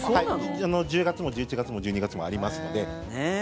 １０月も１１月も１２月もありますので。